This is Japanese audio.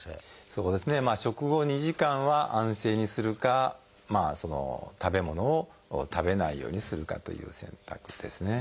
そうですね食後２時間は安静にするかその食べ物を食べないようにするかという選択ですね。